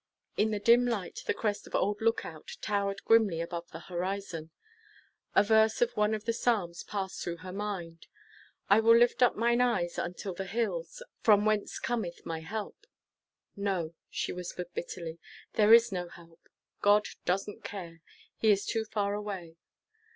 In the dim light the crest of old Lookout towered grimly above the horizon. A verse of one of the Psalms passed through her mind: "I will lift up mine eyes unto the hills, from whence cometh my help." "No," she whispered, bitterly, "there is no help. God doesn't care. He is too far away."